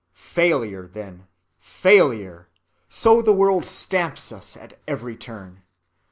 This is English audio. Failure, then, failure! so the world stamps us at every turn.